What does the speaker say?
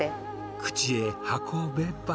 口へ運べば。